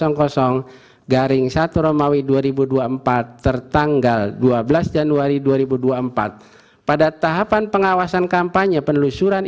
garing satu romawi dua ribu dua puluh empat tertanggal dua belas januari dua ribu dua puluh empat pada tahapan pengawasan kampanye penelusuran